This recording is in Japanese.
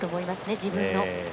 自分の。